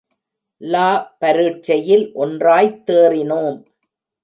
லா பரீட்சையில் ஒன்றாய்த் தேறினோம்.